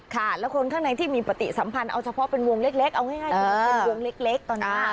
ค่ะแล้วคนข้างในที่มีปฏิสัมพันธ์เอาเฉพาะเป็นวงเล็กเอาง่ายคือมันเป็นวงเล็กตอนนี้